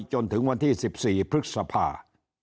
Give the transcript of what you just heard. จนถึงวันที่๑๔พฤษภา